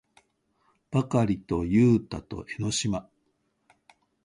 ばかりとゆうたと江の島